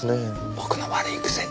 僕の悪い癖。